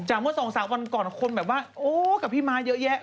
จำว่า๒๓วันก่อนคนแบบว่าโอ๊ยกับพี่มาเยอะแยะ